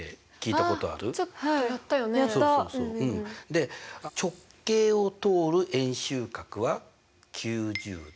で直径を通る円周角は９０°だよね。